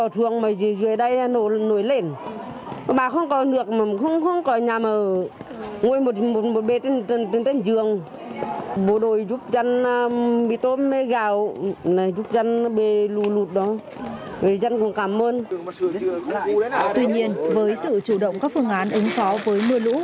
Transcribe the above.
tuy nhiên với sự chủ động các phương án ứng phó với mưa lũ